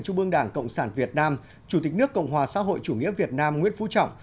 trung ương đảng cộng sản việt nam chủ tịch nước cộng hòa xã hội chủ nghĩa việt nam nguyễn phú trọng